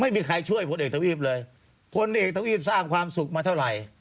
ไม่มีใครช่วยพลเอกทวีปเลยพลเอกทวีปสร้างความสุขมาเท่าไหร่